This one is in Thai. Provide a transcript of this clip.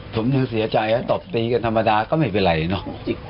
ผมยังเสียใจตบตีกันธรรมดาก็ไม่เป็นไรเนอะ